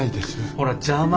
ほら邪魔。